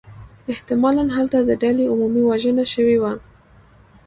احتمالاً هلته د ډلې عمومی وژنه شوې وه.